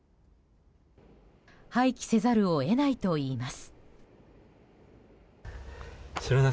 廃棄せざるを得ないといいます。